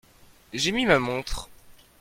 J'ai mis ma montre.